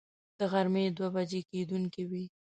د غرمې دوه بجې کېدونکې وې.